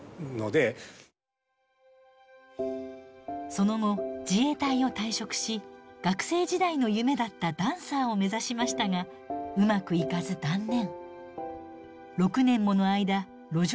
その後自衛隊を退職し学生時代の夢だったダンサーを目指しましたがうまくいかず断念。